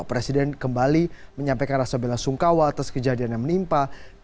presiden kembali menyampaikan rasa bela sungkawa atas kejadian yang menimpa